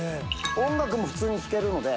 「音楽も普通に聴けるので」